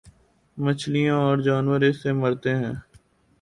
مچھلیاں اور جانور اس سے مرتے ہیں۔